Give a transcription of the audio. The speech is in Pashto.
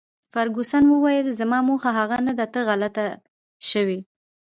فرګوسن وویل: زما موخه هغه نه ده، ته غلطه شوې.